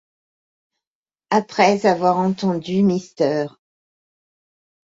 Après avoir entendu Mr.